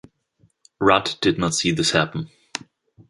Rudd did not see this happen.